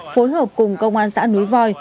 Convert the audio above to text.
phối hợp cùng công an xã núi voi